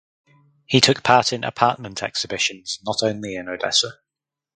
He took part in "apartment exhibitions" not only in Odessa.